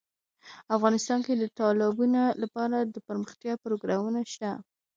افغانستان کې د تالابونه لپاره دپرمختیا پروګرامونه شته.